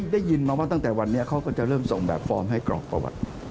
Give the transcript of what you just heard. ได้ยินมาว่าตั้งแต่วันนี้เขาก็จะเริ่มส่งแบบฟอร์มให้กรอกประวัติ